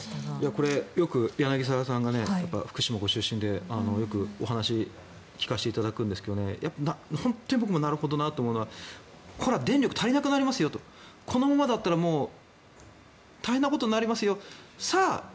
これ、よく柳澤さんが福島ご出身でよくお話聞かせていただくんですが本当に僕もなるほどなと思うのは電力足りなくなりますよとこのままだったら大変なことになりますよさあ、